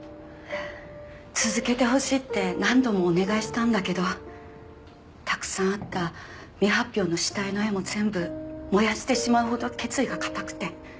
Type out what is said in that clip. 続けてほしいって何度もお願いしたんだけどたくさんあった未発表の下絵の絵も全部燃やしてしまうほど決意が固くて。